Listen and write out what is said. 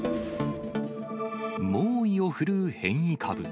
猛威を振るう変異株。